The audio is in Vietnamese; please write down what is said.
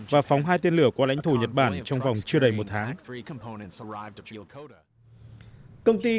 và phóng hai tên lửa qua lãnh thổ nhật bản trong vòng chưa đầy một tháng